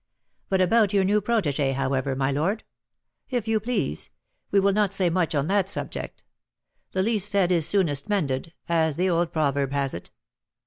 But about your new protégée, however, my lord; if you please, we will not say much on that subject. 'The least said is soonest mended,' as the old proverb has it."